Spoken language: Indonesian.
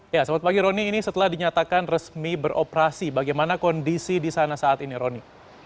ya selamat pagi roni ini setelah dinyatakan resmi beroperasi bagaimana kondisi di sana saat ini roni